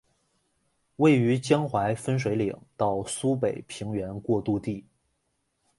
位于江淮分水岭到苏北平原过度地。